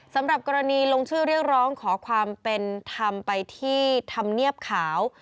สำหรับกรณีลงชื่อเรียกร้องขอความเป็นธรรมไปที่ธรรมเนียบขาว